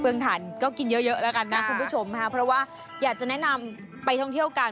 งฐานก็กินเยอะแล้วกันนะคุณผู้ชมค่ะเพราะว่าอยากจะแนะนำไปท่องเที่ยวกัน